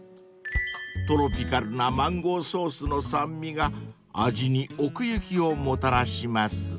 ［トロピカルなマンゴーソースの酸味が味に奥行きをもたらします］